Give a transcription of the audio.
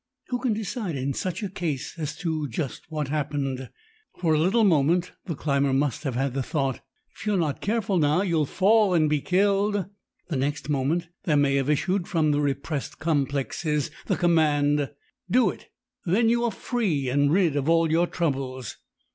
Who can decide in such a case as to just what happened? For a little moment the climber must have had the thought 'if you are not careful now you will fall and be killed.' The next moment there may have issued from the repressed 'complexes' the command: 'Do it! Then you are free and rid of all your troubles!